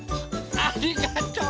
ありがとう！